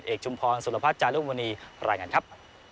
ชุมพรสุรพัฒน์จารุมณีรายงานครับ